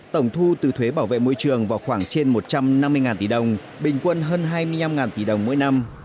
tổng thu từ thuế bảo vệ môi trường vào khoảng trên một trăm năm mươi tỷ đồng bình quân hơn hai mươi năm tỷ đồng mỗi năm